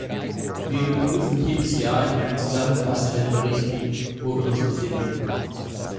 Wir überprüfen jedes Jahr in den zusammenfassenden Berichten, wo wir uns befinden.